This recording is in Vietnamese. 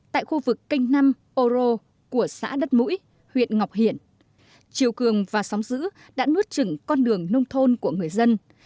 tại khu vực canh năm oro của xã đất mũi huyện ngọc hiển chiều cường và sóng giữ đã nuốt trừng con đường nông thôn của người dân